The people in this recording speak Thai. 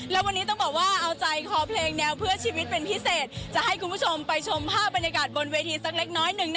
และวันนี้ต้องบอกว่าเอาใจคอเพลงแนวเพื่อชีวิตเป็นพิเศษจะให้คุณผู้ชมไปชมภาพบรรยากาศบนเวทีสักเล็กน้อยหนึ่ง